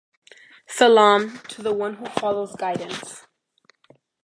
Salaam to the one who follows guidance.